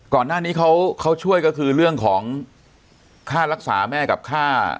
ก่อนหน้านี้เขาช่วยก็คือเรื่องของค่ารักษาแม่กับค่า